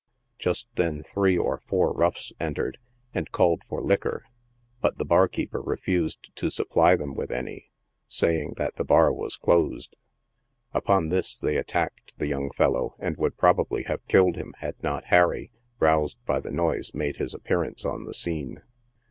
Just then three or four roughs entered, and called for liquor, but the barkeeper refused to supply them with any, saying that the bar was closed. Upon this they attacked the young fellow, and would probably have killed him had not Harry, roused by the noise, made his appearance on the scene.